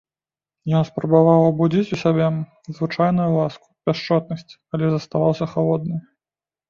Ён спрабаваў абудзіць у сабе звычайную ласку, пяшчотнасць, але заставаўся халодны.